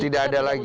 tidak ada lagi